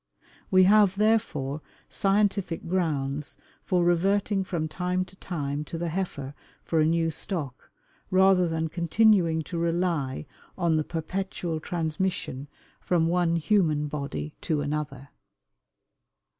We have, therefore, scientific grounds for reverting from time to time to the heifer for a new stock, rather than continuing to rely on the perpetual transmission from one human body to another.